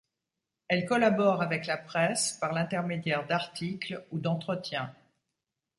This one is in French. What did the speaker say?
Elle collabore avec la presse par l'intermédiaire d'articles ou d'entretiens.